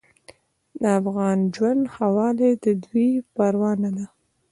د افغان ژوند ښهوالی د دوی پروا نه ده.